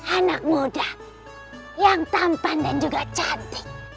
anak muda yang tampan dan juga cantik